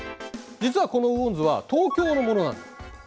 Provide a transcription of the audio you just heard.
実はこの雨温図は東京のものなんだ。